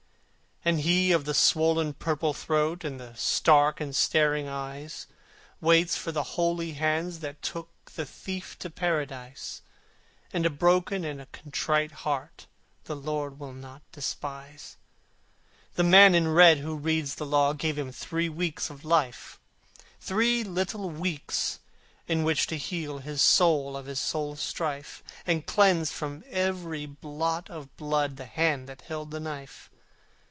And he of the swollen purple throat, And the stark and staring eyes, Waits for the holy hands that took The Thief to Paradise; And a broken and a contrite heart The Lord will not despise. The man in red who reads the Law Gave him three weeks of life, Three little weeks in which to heal His soul of his soul's strife, And cleanse from every blot of blood The hand that held the knife.